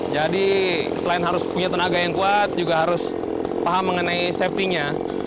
jadi selain harus punya tenaga yang kuat juga harus paham mengenai safety nya